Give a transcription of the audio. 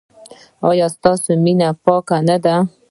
ایا ستاسو مینه پاکه نه ده؟